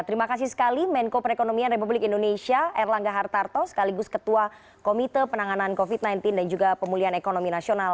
terima kasih sekali menko perekonomian republik indonesia erlangga hartarto sekaligus ketua komite penanganan covid sembilan belas dan juga pemulihan ekonomi nasional